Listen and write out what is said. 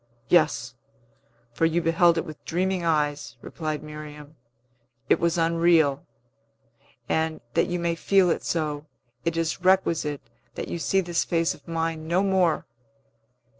"Yes; for you beheld it with dreaming eyes," replied Miriam. "It was unreal; and, that you may feel it so, it is requisite that you see this face of mine no more.